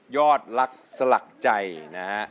ยอดรักสลักใจนะ